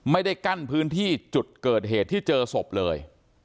ไม่ได้กั้นพื้นที่จุดเกิดเหตุที่เจอศพเลย